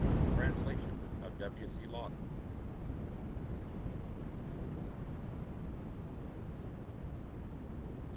Translation of W. C. Lawton.